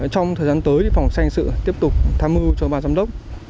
trong thời gian tới phòng sanh sự tiếp tục tham mưu cho bà giám đốc